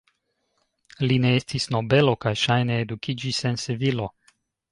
Li ne estis nobelo kaj ŝajne edukiĝis en Sevilo.